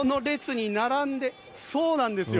そうなんですよ。